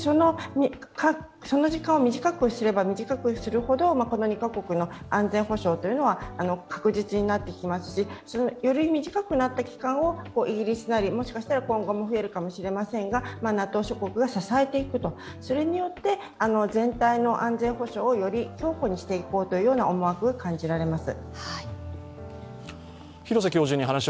その時間を短くすれば短くするほど、この２カ国の安全保障というは確実になってきますし、より短くなった期間をイギリスなり今後も増えるかもしれませんがＮＡＴＯ諸国が支えていくそれによって全体の安全保障をより強固にしていこうという思惑が感じられます。